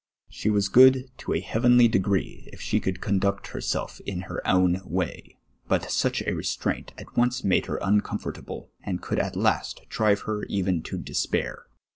She was fjood to a heavenly decree if she could conduct herself in her own way, but such, a restraint at (mce made her uncomfortable, and could at last diive her even to despair.